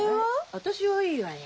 私はいいよ。